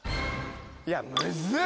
いやむずっ！